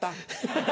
ハハハ！